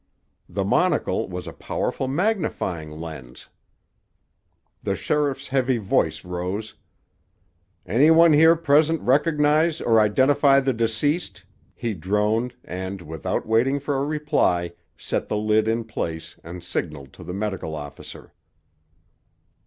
The monocle was a powerful magnifying lens. The sheriff's heavy voice rose. "Any one here present recognize or identify the deceased?" he droned, and, without waiting for a reply, set the lid in place and signaled to the medical officer.